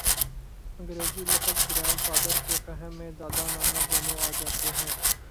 انگریزی لفظ grandfather کے فہم میں دادا، نانا دونوں آ جاتے ہیں۔